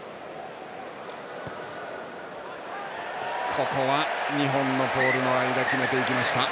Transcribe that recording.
ここは２本のポールの間決めていきました。